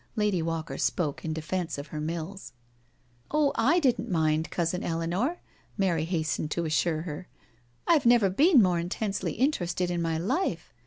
Lady Walker spoke in defence of her mills. " Oh, / didn't mind, Cousin Eleanor," Mary has tened to assure her. " I have never been more in tensely interested in my life.